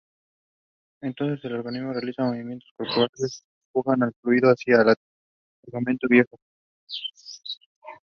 Entonces, el organismo realiza movimientos corporales que empujan el fluido hacia el tegumento viejo.